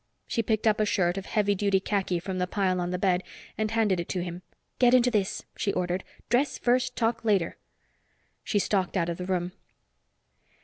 She picked up a shirt of heavy duty khaki from the pile on the bed and handed it to him. "Get into this," she ordered. "Dress first, talk later." She stalked out of the room.